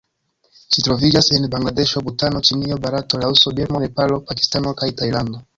Ĝi troviĝas en Bangladeŝo, Butano, Ĉinio, Barato, Laoso, Birmo, Nepalo, Pakistano kaj Tajlando.